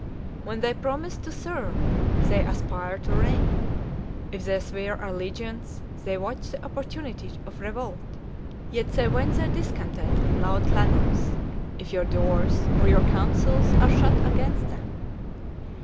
When they promise to serve, they aspire to reign; if they swear allegiance, they watch the opportunity of revolt; yet they vent their discontent in loud clamors, if your doors, or your counsels, are shut against them.